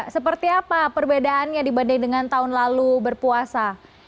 seperti apa perbedaannya dibanding dengan tahun lalu berpuasa